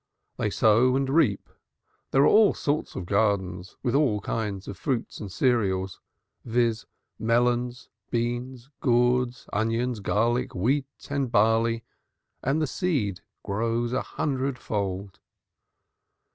They sow and reap; there are all sorts of gardens, with all kinds of fruits and cereals, viz.: beans, melons, gourds, onions, garlic, wheat and barley, and the seed grows a hundred fold.